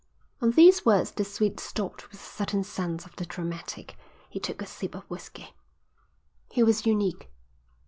On these words the Swede stopped with a certain sense of the dramatic. He took a sip of whisky. "He was unique.